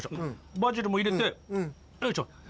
バジルも入れてよいしょ。